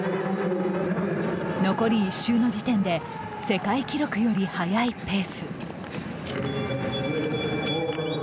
残り１周の時点で世界記録より速いぺース。